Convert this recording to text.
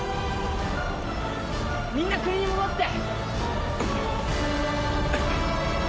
みんな国に戻って！